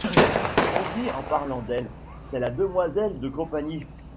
On dit en parlant d’elle : «C’est la demoiselle de compagnie !